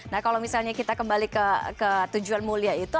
nah kalau misalnya kita kembali ke tujuan mulia itu